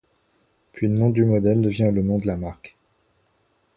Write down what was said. Puis le nom du modèle devient le nom de la marque.